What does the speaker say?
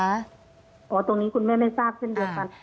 ตรงนี้คุณแม่ไม่ทราบเช่นเดียวกัน